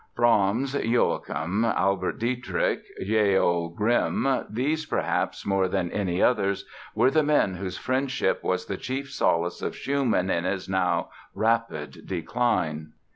Brahms, Joachim, Albert Dietrich, J. O. Grimm—these perhaps more than any others were the men whose friendship was the chief solace of Schumann in his now rapid decline.